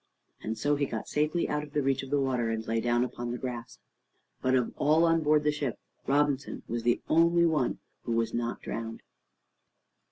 And so he got safely out of the reach of the water, and lay down upon the grass. But of all on board the ship, Robinson was the only one who was not drowned.